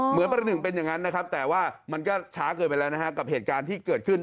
ประหนึ่งเป็นอย่างนั้นนะครับแต่ว่ามันก็ช้าเกินไปแล้วนะฮะกับเหตุการณ์ที่เกิดขึ้น